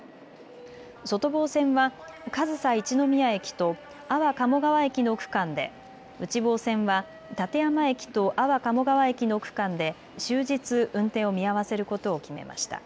外房線は上総一ノ宮駅と安房鴨川駅の区間で、内房線は館山駅と安房鴨川駅の区間で終日運転を見合わせることを決めました。